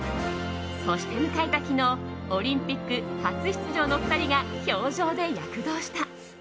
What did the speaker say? そして迎えたの昨日オリンピック初出場の２人が氷上で躍動した。